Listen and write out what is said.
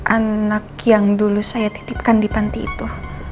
anak yang dulu saya titipkan di panti itu